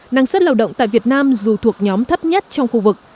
năng suất lao động tại việt nam dù thuộc nhóm thấp nhất trong khu vực